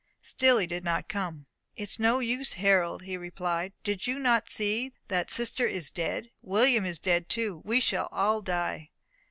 Still he did not come. "It is no use, Harold," he replied. "Do you not see that sister is dead? William is dead too! We shall all die!"